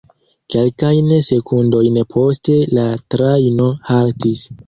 Kelkajn sekundojn poste la trajno haltis.